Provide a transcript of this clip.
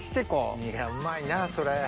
いやうまいなぁそれ。